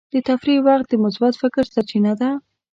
د تفریح وخت د مثبت فکر سرچینه ده.